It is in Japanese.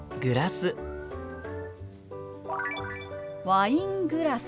「ワイングラス」。